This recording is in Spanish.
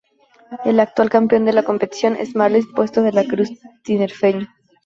El actual campeón de la competición es el Marlins Puerto de la Cruz tinerfeño.